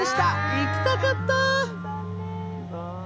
行きたかった！